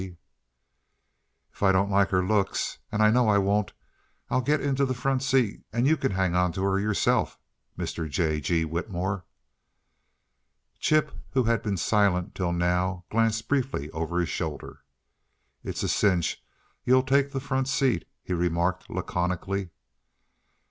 G. "If I don't like her looks and I know I won't I'll get into the front seat and you can hang onto her yourself, Mr. J. G. Whitmore." Chip, who had been silent till now, glanced briefly over his shoulder. "It's a cinch you'll take the front seat," he remarked, laconically.